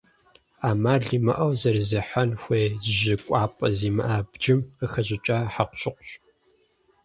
Ӏэмал имыӏэу зэрызехьэн хуейр жьы кӏуапӏэ зимыӏэ, абджым къыхэщӏыкӏа хьэкъущыкъущ.